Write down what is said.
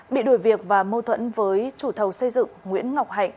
bị đuổi việc và mâu thuẫn với chủ thầu xây dựng nguyễn ngọc hạnh